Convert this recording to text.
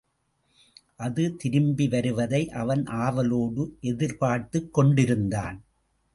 அது திரும்பி வருவதை அவன் ஆவலோடு எதிர்பார்த்துக் கொண்டிருந்தான்.